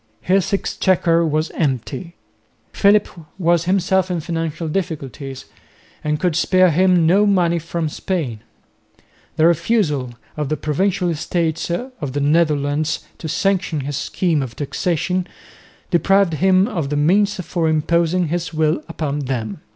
His exchequer was empty. Philip was himself in financial difficulties and could spare him no money from Spain. The refusal of the provincial estates of the Netherlands to sanction his scheme of taxation deprived him of the means for imposing his will upon them.